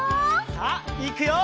さあいくよ！